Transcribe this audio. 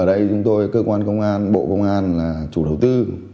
ở đây chúng tôi cơ quan công an bộ công an là chủ đầu tư